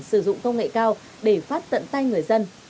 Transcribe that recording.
sử dụng công nghệ cao để phát tận tay người dân